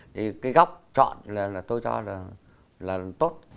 thì cái góc chọn là tôi cho là tốt